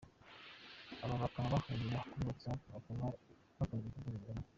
Aba bakaba bahurira kuri Whatsapp bakora ibikorwa binyuranye.